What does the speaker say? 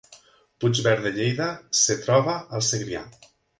Puigverd de Lleida es troba al Segrià